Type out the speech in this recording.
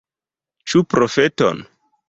Ĉu profeton?